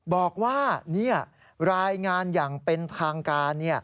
บอกว่ารายงานอย่างเป็นทางการ